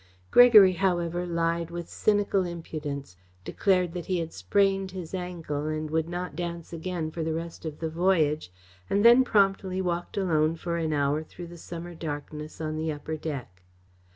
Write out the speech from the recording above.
Gregory, however, lied with cynical impudence, declared that he had sprained his ankle and would not dance again for the rest of the voyage, and then promptly walked alone for an hour through the summer darkness on the upper deck.